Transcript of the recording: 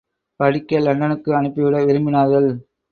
படிக்க லண்டனுக்கு அனுப்பிட விரும்பினார்கள்.